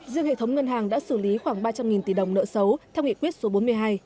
riêng hệ thống ngân hàng đã xử lý khoảng ba trăm linh tỷ đồng nợ xấu theo nghị quyết số bốn mươi hai